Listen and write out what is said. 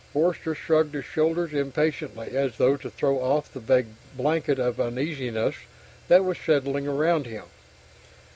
Forster shrugged his shoulders impatiently, as though to throw off the vague blanket of uneasiness that was settling around him.